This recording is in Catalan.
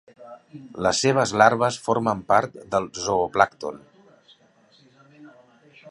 Les seves larves formen part del zooplàncton.